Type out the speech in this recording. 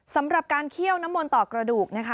สำหรับการเคี่ยวน้ำมนต์ต่อกระดูกนะคะ